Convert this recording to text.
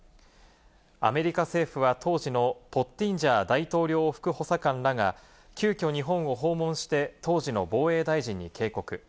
アメリカ政府は当時のポッティンジャー大統領副補佐官らが急きょ日本を訪問して、当時の防衛大臣に警告。